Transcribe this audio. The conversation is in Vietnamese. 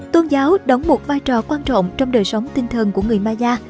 tôn giáo đóng một vai trò quan trọng trong đời sống tinh thần của người maya